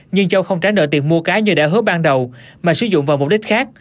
nhưng châu không trả nợ tiền mua cá như đã hứa ban đầu mà sử dụng vào mục đích khác